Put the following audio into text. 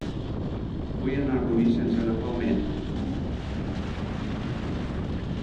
Vull anar a Rubí sense agafar el metro.